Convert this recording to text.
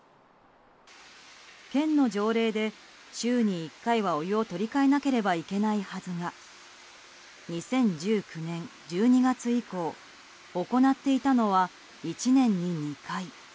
県の条例で、週に１回はお湯を取り換えなければいけないはずが２０１９年１２月以降行っていたのは１年に２回。